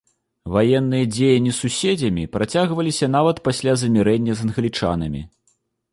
Ваенныя дзеянні з суседзямі працягваліся нават пасля замірэння з англічанамі.